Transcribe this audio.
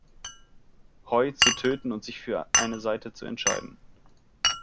Hoi zu töten und sich für eine Seite zu entscheiden.